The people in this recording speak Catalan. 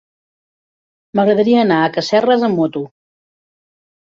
M'agradaria anar a Casserres amb moto.